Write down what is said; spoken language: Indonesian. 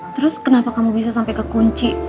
terus kenapa kamu bisa sampai ke kunci